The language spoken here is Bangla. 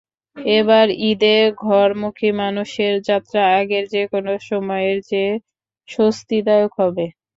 এবার ঈদে ঘরমুখী মানুষের যাত্রা আগের যেকোনো সময়ের চেয়ে স্বস্তিদায়ক হবে।